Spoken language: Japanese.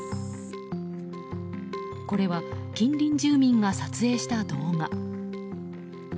これは近隣住民が撮影した動画。